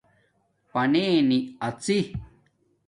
پننی اژئ